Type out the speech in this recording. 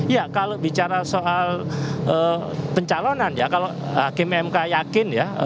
ya kalau bicara soal pencalonan ya kalau hakim mk yakin ya